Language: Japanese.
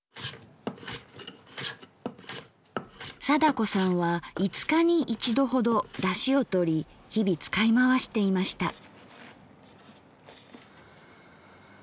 貞子さんは５日に１度ほどだしをとり日々使い回していました。